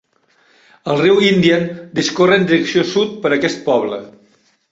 El riu Indian discorre en direcció sud per aquest poble.